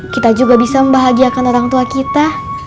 kita juga bisa membahagiakan orang tua kita